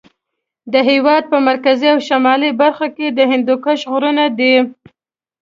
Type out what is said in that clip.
د هېواد په مرکزي او شمالي برخو کې د هندوکش غرونه دي.